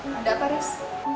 ada apa res